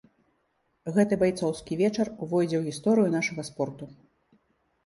Гэты байцоўскі вечар увойдзе ў гісторыю нашага спорту.